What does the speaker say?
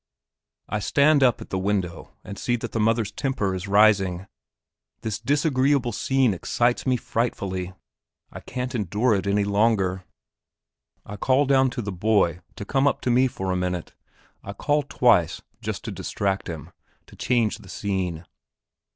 I stand up in the window and see that the mother's temper is rising; this disagreeable scene excites me frightfully. I can't endure it any longer. I call down to the boy to come up to me for a minute; I call twice, just to distract them to change the scene.